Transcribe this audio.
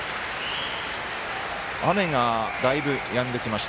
雨がだいぶやんできました。